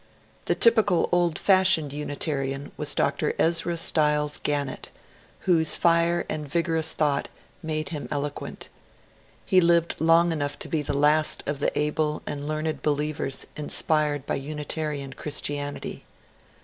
The typical old fashioned Unitarian was Dr. Ezra Styles Gunnett, whose fire and vigorous thought made him eloquent. He lived long enough to be the last of the able and learned believers in spired by Unitarian Christianity.